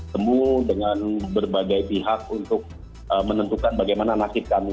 temu dengan berbagai pihak untuk menentukan bagaimana nasib kami